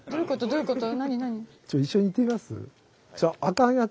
どういうこと？